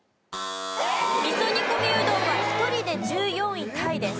味噌煮込みうどんは１人で１４位タイです。